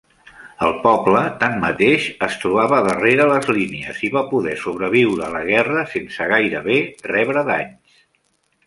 El poble, tanmateix, es trobava darrere les línies i va poder sobreviure a la guerra sense gairebé rebre danys.